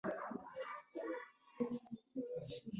قېمتي شیان یې په بېړۍ کې قید کړي دي.